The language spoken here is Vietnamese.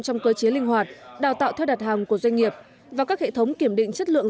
trong cơ chế linh hoạt đào tạo theo đặt hàng của doanh nghiệp và các hệ thống kiểm định chất lượng